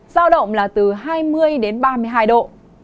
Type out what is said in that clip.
giao động là từ hai mươi đến ba mươi hai độ